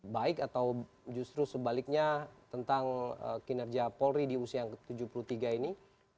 baik atau justru sebaliknya tentang kinerja polri di usia yang ke tujuh puluh tiga ini